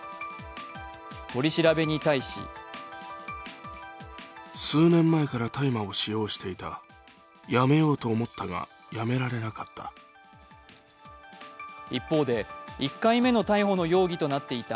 取り調べに対し一方で１回目の逮捕の容疑となっていた